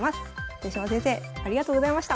豊島先生ありがとうございました。